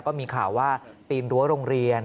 ก็มีข่าวว่าปีนรั้วโรงเรียน